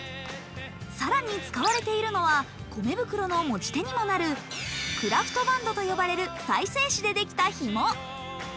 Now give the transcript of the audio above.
更に使われているのは米袋の持ち手にもなるクラフトバンドと呼ばれる再生紙でできたひも。